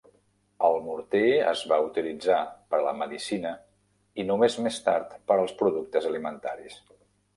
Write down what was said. El morter es va utilitzar per a la medicina i només més tard per als productes alimentaris.